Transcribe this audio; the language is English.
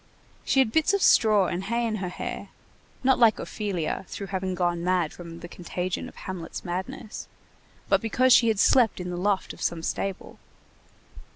She had bits of straw and hay in her hair, not like Ophelia through having gone mad from the contagion of Hamlet's madness, but because she had slept in the loft of some stable.